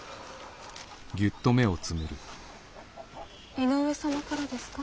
井上様からですか？